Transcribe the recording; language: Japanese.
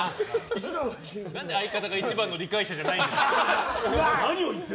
何で、相方が一番の理解者じゃないんですか。